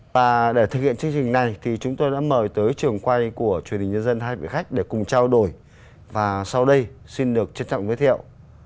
và để thực hiện chương trình này thì chúng tôi đã mời tới trường quay của truyền hình nhân dân hai vị khách để cùng trao đổi và sau đây xin được trân trọng giới thiệu